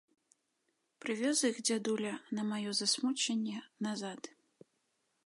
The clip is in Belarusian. Прывёз іх дзядуля, на маё засмучэнне, назад.